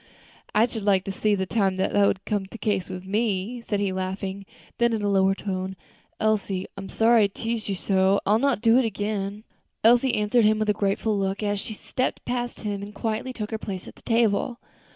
"I should like to see the time that would be the case with me," said he, laughing. Then in a lower tone, "Elsie, I'm sorry I teased you so. I'll not do it again soon." Elsie answered him with a grateful look, as she stepped past him and quietly took her place at the table.